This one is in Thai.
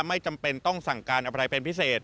ไม่จำเป็นต้องสั่งการอะไรเป็นพิเศษ